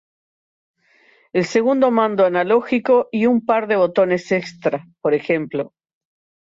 El segundo mando analógico y un par de botones extra, por ejemplo.